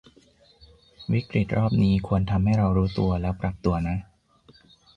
วิกฤตรอบนี้ควรทำให้เรารู้ตัวแล้วปรับตัวนะ